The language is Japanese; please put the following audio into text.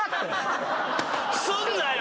すんなよ！